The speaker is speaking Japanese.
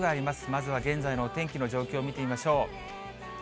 まずは現在の天気の状況を見てみましょう。